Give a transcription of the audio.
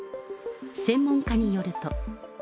専門家によると。